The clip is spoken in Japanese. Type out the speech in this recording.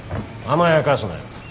甘やかすなよ。